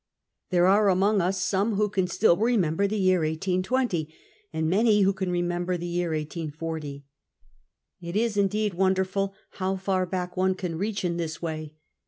There are among us some who can still remember the year 1820, and many who can remember the year 1840. It is, indeed, wonderful how far back one can retich in this way.